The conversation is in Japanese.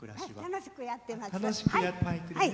楽しくやってます。